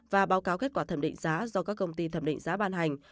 và báo cáo kết quả thẩm định giá do các công ty thẩm định giá ban hành